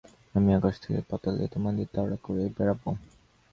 আমি আকাশ থেকে পাতালে তোমাদের তাড়া করে বেড়াবো।